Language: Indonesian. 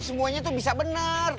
semuanya tuh bisa benar